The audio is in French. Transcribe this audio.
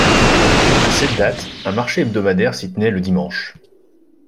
À cette date un marché hebdomadaire s'y tenait le dimanche.